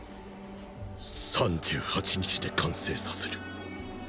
３８日で完成させる。